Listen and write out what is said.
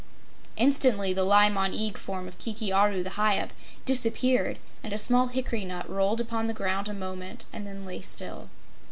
Instantly the Li Mon Eag form of Kiki Aru the Hyup disappeared and a small hickory nut rolled upon the ground a moment and then lay still.